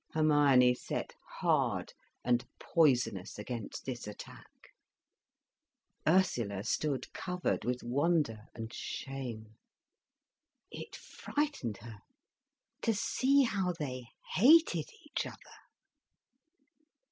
Hermione set hard and poisonous against this attack. Ursula stood covered with wonder and shame. It frightened her, to see how they hated each other.